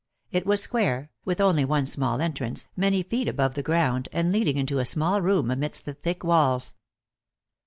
It was square, with only one small entrance, many feet above the ground, and leading into a small room amidst the thick walls.